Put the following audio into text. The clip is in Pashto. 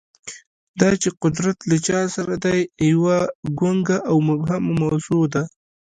دا چې قدرت له چا سره دی، یوه ګونګه او مبهمه موضوع ده.